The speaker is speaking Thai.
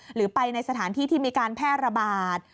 หรือไปในสถานที่ที่มีการแพร่ระบาด